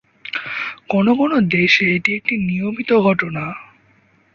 কোনো কোনো দেশে এটি একটি নিয়মিত ঘটনা।